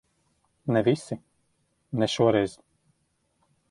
Ne visi. Ne šoreiz.